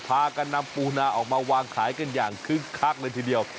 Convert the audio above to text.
พากันนำปูนาออกมาวางขายกันอย่างคึกคักเลยทีเดียว